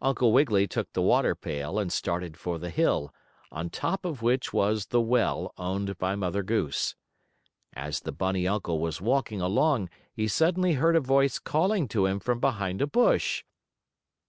Uncle Wiggily took the water pail and started for the hill, on top of which was the well owned by Mother Goose. As the bunny uncle was walking along he suddenly heard a voice calling to him from behind a bush.